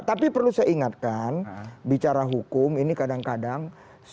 tapi perlu saya ingatkan bicara hukum ini kadang kadang